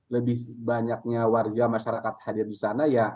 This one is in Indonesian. lebih banyaknya warga masyarakat hadir di sana ya